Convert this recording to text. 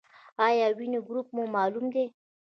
ایا د وینې ګروپ مو معلوم دی؟